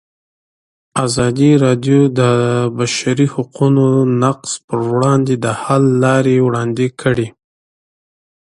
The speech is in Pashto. ازادي راډیو د د بشري حقونو نقض پر وړاندې د حل لارې وړاندې کړي.